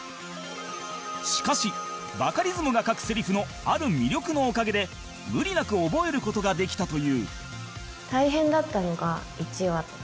しかしバカリズムが書くセリフのある魅力のおかげで無理なく覚える事ができたという